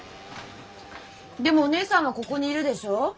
でもお姉さんはここにいるでしょ？